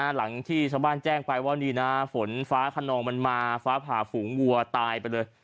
หลังที่ชาวบ้านแจ้งไปว่านี่นะฝนฟ้าขนองมันมาฟ้าผ่าฝูงวัวตายไปเลย